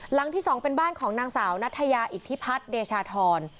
หลังที่๒เป็นบ้านของนางสาวนัทยาอิทธิพัฒน์เดชาธร